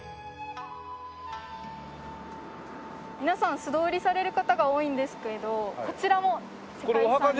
皆さん素通りされる方が多いんですけれどこちらも世界遺産に。